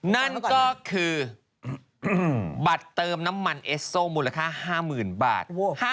นั่นก็คือบัตรเติมน้ำมันเอสโซมูลค่า๕๐๐๐บาท